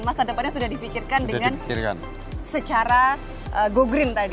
masa depannya sudah dipikirkan dengan secara go green tadi